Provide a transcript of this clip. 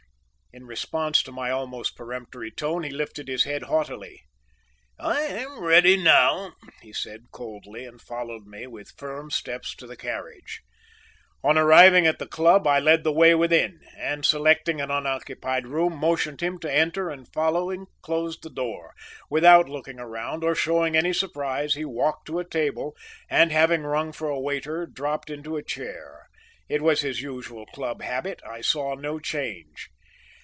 In response to my almost peremptory tone he lifted his head haughtily: "I am ready now," he said, coldly, and followed me with firm steps to the carriage. On arriving at the club I led the way within and, selecting an unoccupied room, motioned him to enter and following closed the door; without looking around or showing any surprise he walked to a table and, having rung for a waiter, dropped into a chair. It was his usual club habit. I saw no change.